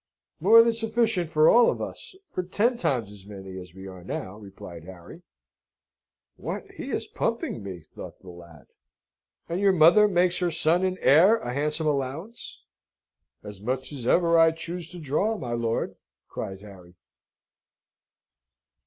"More than sufficient for all of us for ten times as many as we are now," replied Harry. ("What, he is pumping me," thought the lad.) "And your mother makes her son and heir a handsome allowance?" "As much as ever I choose to draw, my lord!" cried Harry.